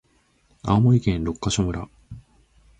青森県六ヶ所村